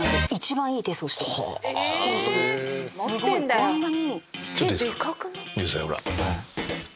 こんなに。